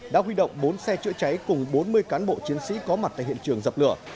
đã huy động bốn xe chữa cháy cùng bốn mươi cán bộ chiến sĩ có mặt tại hiện trường dập lửa